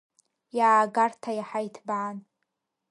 Иаагарҭа иаҳа иҭбаан.